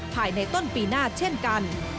ภายในต้นปีหน้าเช่นกัน